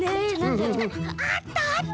あったあった！